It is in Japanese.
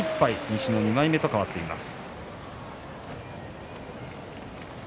西の２枚目と変わっています。